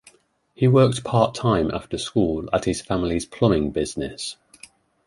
He worked part-time after school at his family's plumbing business.